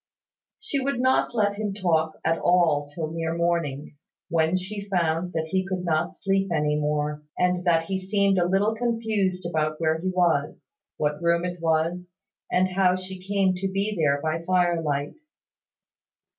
She would not let him talk at all till near morning, when she found that he could not sleep any more, and that he seemed a little confused about where he was, what room it was, and how she came to be there by fire light.